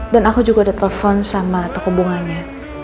dan aku juga udah telepon sama tokoh bunganya